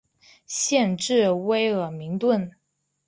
县治威尔明顿。